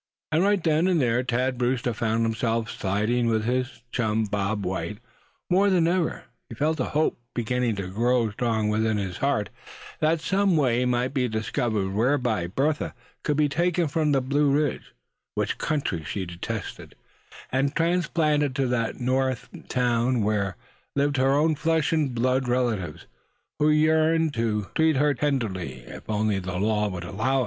And right then and there Thad Brewster found himself siding with his chum Bob White more than ever. He felt a hope beginning to grow strong within his heart that some way might be discovered whereby Bertha could be taken from the Blue Ridge, which country she detested, and transplanted to that Northern town where lived her own flesh and blood relatives, who yearned to care for her tenderly, if only the law would allow.